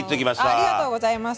ありがとうございます。